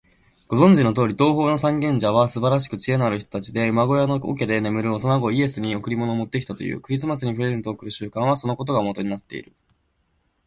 ご存じのとおり、東方の三賢者はすばらしく知恵のある人たちで、馬小屋の桶で眠る幼子イエスに贈り物を持ってきたという。クリスマスにプレゼントを贈る習慣は、そのことがもとになっている。